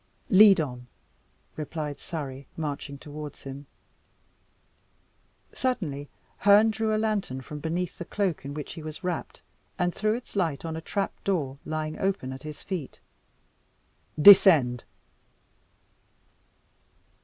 "Lead on!" replied Surrey, marching towards him. Suddenly, Herne drew a lantern from beneath the cloak in which he was wrapped, and threw its light on a trap door lying open at his feet. "Descend!"